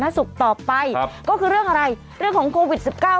สำหรับโครงการคนละครึ่งเฟส๓ก็มีระยะเวลาในการใช้สิทธิ์นะครับ